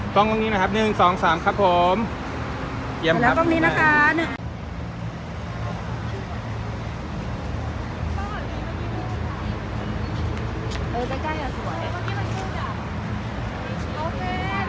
กล้องตรงนี้นะครับหนึ่งสองสามครับผมเยี่ยมครับแล้วกล้องนี้นะครับ